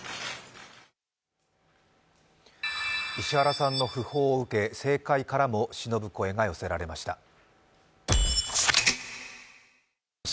石原さんの訃報を受け政界からもしのぶ声が寄せられました。